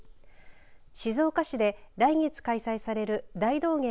静岡市で来月開催される大道芸